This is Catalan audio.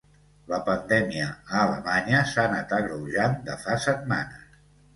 La pandèmia a Alemanya s’ha anat agreujant de fa setmanes.